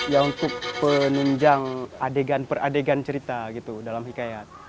ya untuk penunjang adegan peradegan cerita gitu dalam hikayat